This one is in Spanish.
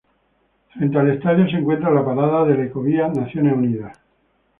Frente al estadio se encuentra la parada del Ecovía "Naciones Unidas".